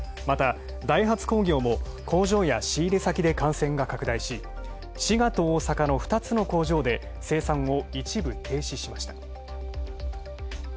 またダイハツ工業も工場や仕入れ先で感染が拡大し、滋賀と大阪の２つの工場で生産を一部停止しました。